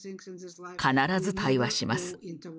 必ず対話します。